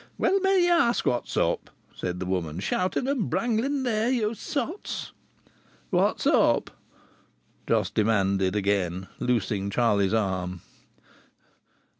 "Well may ye ask what's up!" said the woman. "Shouting and brangling there, ye sots!" "What's up?" Jos demanded again, loosing Charlie's arm.